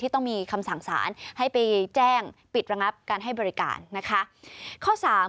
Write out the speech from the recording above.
ต้องมีคำสั่งสารให้ไปแจ้งปิดระงับการให้บริการนะคะข้อสาม